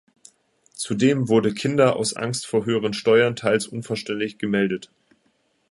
Zudem wurde Kinder aus Angst vor höheren Steuern teils unvollständig gemeldet.